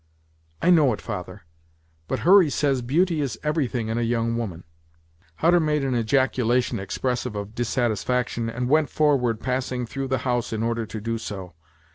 "I know it, father; but Hurry says beauty is everything in a young woman." Hutter made an ejaculation expressive of dissatisfaction, and went forward, passing through the house in order to do so.